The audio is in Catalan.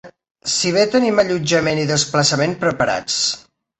Si ve tenim allotjament i desplaçament preparats.